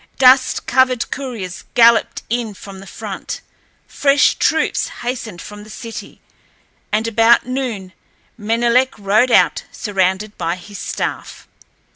Dust covered couriers galloped in from the front. Fresh troops hastened from the city, and about noon Menelek rode out surrounded by his staff.